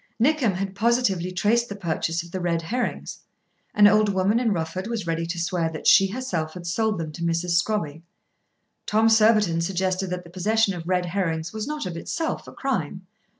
Nickem had positively traced the purchase of the red herrings. An old woman in Rufford was ready to swear that she herself had sold them to Mrs. Scrobby. Tom Surbiton suggested that the possession of red herrings was not of itself a crime.